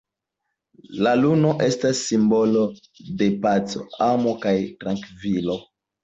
La luno estas simbolo de paco, amo, kaj trankvilo.